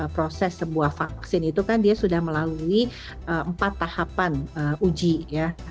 proses sebuah vaksin itu kan dia sudah melalui empat tahapan uji ya